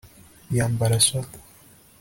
Yambara swater